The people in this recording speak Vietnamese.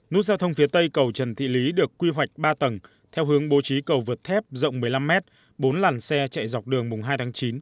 nút giao thông phía tây cầu trần thị lý được quy hoạch ba tầng theo hướng bố trí cầu vượt thép rộng một mươi năm m bốn làn xe chạy dọc đường mùng hai tháng chín